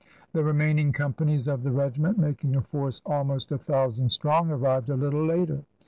The remaining companies of the regiment, making a force almost a thousand oetron strong, arrived a little later.